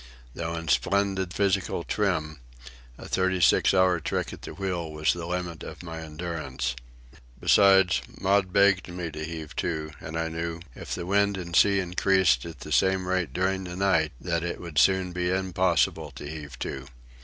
Though in splendid physical trim, a thirty six hour trick at the wheel was the limit of my endurance. Besides, Maud begged me to heave to, and I knew, if the wind and sea increased at the same rate during the night, that it would soon be impossible to heave to.